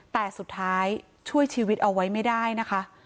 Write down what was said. แต่สุดท้ายช่วยชีวิตเอาไว้ไม่ได้นะคะ